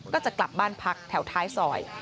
จะกลับบ้านพักแถวท้ายซอย